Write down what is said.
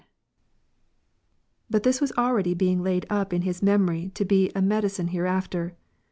] 14. But tliis was already being laid up in his memory to be a medicine hereafter.